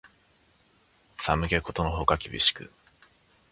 寒気ことのほか厳しく